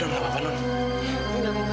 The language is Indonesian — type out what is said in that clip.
enggak enggak enggak